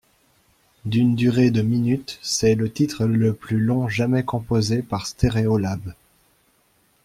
D'une durée de minutes, c'est le titre le plus long jamais composé par Stereolab.